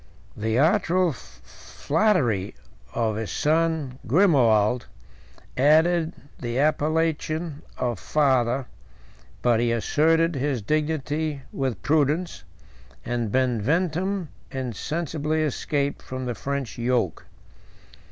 The artful flattery of his son Grimoald added the appellation of father, but he asserted his dignity with prudence, and Benventum insensibly escaped from the French yoke.